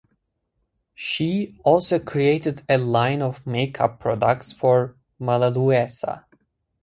She also created a line of makeup products for Melaleuca.